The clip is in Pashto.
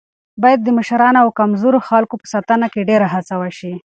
باید د مشرانو او کمزورو خلکو په ساتنه کې ډېره هڅه وشي.